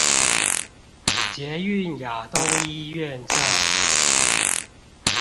捷運亞東醫院站